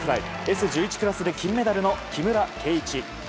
Ｓ１１クラスで金メダルの木村敬一。